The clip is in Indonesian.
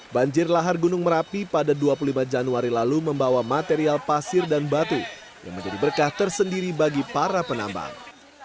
banjir lahar gunung merapi pada dua puluh lima januari lalu membawa material pasir dan batu yang menjadi berkah tersendiri bagi para penambang